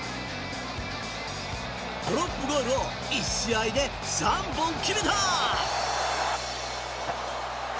ドロップゴールを１試合で３本決めた！